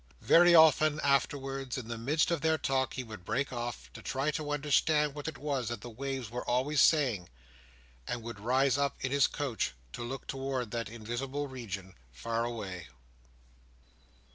Very often afterwards, in the midst of their talk, he would break off, to try to understand what it was that the waves were always saying; and would rise up in his couch to look towards that invisible region, far away.